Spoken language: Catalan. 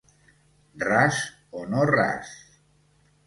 Ras o no ras.